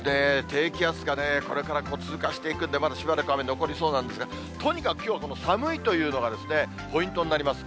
低気圧がこれから通過していくんで、まだしばらく雨残りそうなんですが、とにかくきょう、この寒いというのがポイントになります。